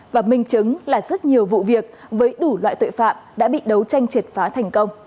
và minh chứng là rất nhiều vụ việc với đủ loại tội phạm đã bị đấu tranh triệt phá thành công